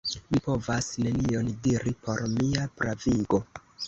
Mi povas nenion diri por mia pravigo.